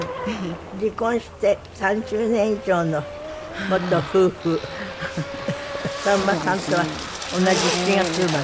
離婚して３０年以上の元夫婦さんまさんとは同じ７月生まれ？